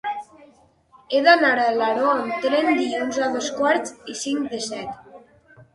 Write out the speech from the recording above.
He d'anar a Alaró amb tren dilluns a dos quarts i cinc de set.